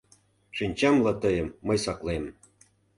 Шинчамла тыйым мый саклем.